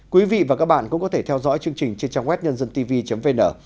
quý vị và các bạn cũng có thể theo dõi chương trình trên trang web nhândântv vn